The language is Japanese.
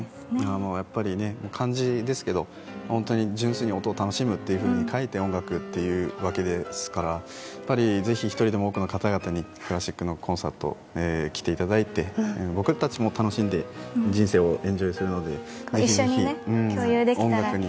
やっぱり、漢字ですけど純粋に、「音を楽しむ」と書いて音楽というわけですからぜひ一人でも多くの方々にクラシックのコンサートに来ていただいて僕たちも楽しんで、人生をエンジョイするので、ぜひ音楽に。